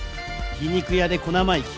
皮肉屋で小生意気。